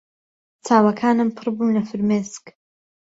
چاوەکانم پڕ بوون لە فرمێسک.